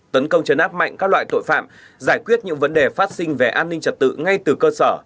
tấn công chấn áp mạnh các loại tội phạm giải quyết những vấn đề phát sinh về an ninh trật tự ngay từ cơ sở